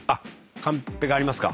カンペがありますか。